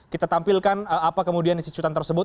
kita tampilkan apa kemudian isi cuitan tersebut